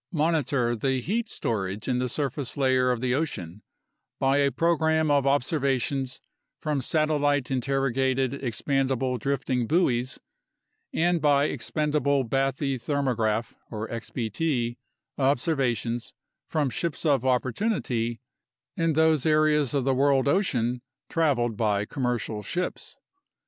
Monitor the heat storage in the surface layer of the ocean by a program of observations from satellite interrogated expandable drifting buoys and by expendable bathythermograph (xbt) observations from ships of opportunity in those areas of the world ocean traveled by commercial ships.